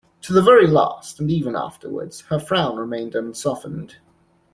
To the very last, and even afterwards, her frown remained unsoftened.